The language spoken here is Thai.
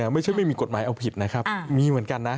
ไม่มีกฎหมายเอาผิดนะครับมีเหมือนกันนะ